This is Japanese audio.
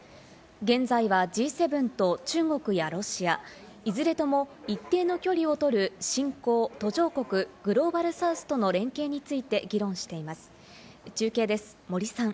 現在はＧ７と中国やロシア、いずれとも一定の距離を取る、新興・途上国グローバルサウスとの連携について議論しています。